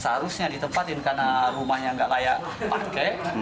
seharusnya ditempatin karena rumahnya nggak layak pakai